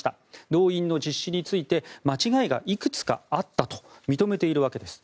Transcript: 動員の実施について間違いがいくつかあったと認めているわけです。